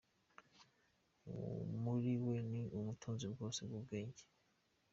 Muri we ni mo ubutunzi bwose bw’ubwenge